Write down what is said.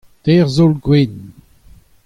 teir zaol gwenn.